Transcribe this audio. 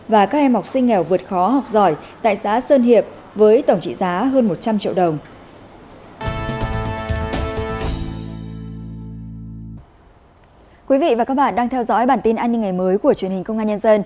và các em học sinh nghèo vượt khó học giỏi tại xã sơn hiệp với tổng trị giá hơn một trăm linh triệu đồng